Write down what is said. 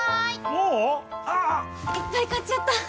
もう⁉ああ・・・いっぱい買っちゃった！